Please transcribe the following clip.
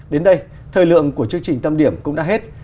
đến đây thời lượng của chương trình tâm điểm cũng đã hết